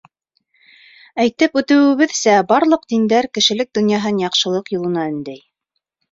Әйтеп үтеүебеҙсә, барлыҡ диндәр кешелек донъяһын яҡшылыҡ юлына өндәй.